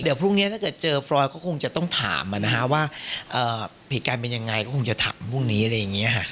เดี๋ยวพรุ่งนี้ถ้าเกิดเจอฟรอยก็คงจะต้องถามว่าเหตุการณ์เป็นยังไงก็คงจะถามพรุ่งนี้อะไรอย่างนี้ค่ะ